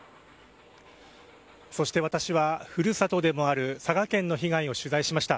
そして私は、古里でもある佐賀県の被害を取材しました。